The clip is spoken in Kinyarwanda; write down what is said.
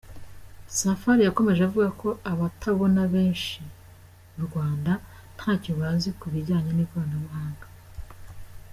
Safari yakomeje avuga ko abatabona benshi mu Rwanda ntacyo bazi ku bijyanye n’ikoranabuhanga.